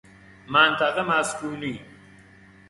منطقه مسکونی